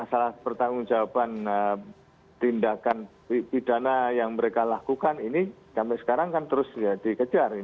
masalah pertanggung jawaban tindakan pidana yang mereka lakukan ini sampai sekarang kan terus dikejar